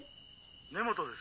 ☎根本です。